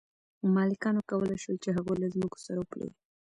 مالکانو کولی شول چې هغوی له ځمکو سره وپلوري.